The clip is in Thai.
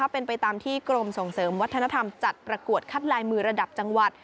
เป็นไปตามที่กรมส่งเสริมวัฒนธรรมจัดประกวดคัดลายมือระดับจังหวัด